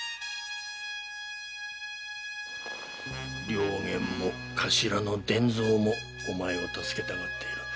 良源も頭の伝蔵もお前を助けたがっている。